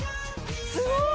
すごーい！